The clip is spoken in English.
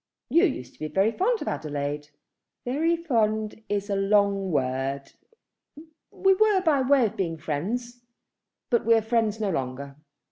"You used to be very fond of Adelaide." "Very fond is a long word. We were by way of being friends; but we are friends no longer."